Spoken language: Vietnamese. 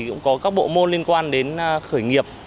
cũng có các bộ môn liên quan đến khởi nghiệp